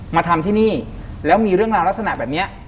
มาทำที่นี่แล้วมีเรื่องราวลักษณะแบบนี้